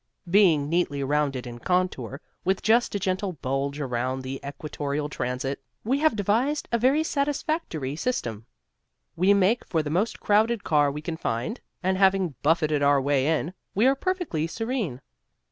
Being neatly rounded in contour, with just a gentle bulge around the equatorial transit, we have devised a very satisfactory system. We make for the most crowded car we can find, and having buffeted our way in, we are perfectly serene.